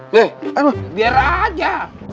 nih biar aja